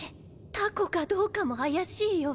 タコかどうかも怪しいよ。